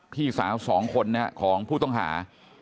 พี่สาว๒คนของผู้ต้องหา